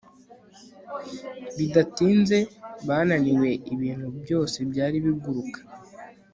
Bidatinze bananiwe ibintu byose byari biguruka